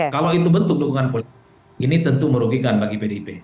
kalau itu bentuk dukungan politik ini tentu merugikan bagi pdip